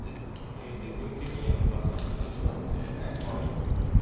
部分的には受からない形なので。